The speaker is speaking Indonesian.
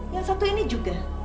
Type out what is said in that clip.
yang satu ini juga